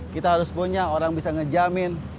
kita harus punya orang bisa ngejamin